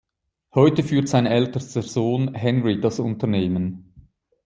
Heute führt sein ältester Sohn Henry das Unternehmen.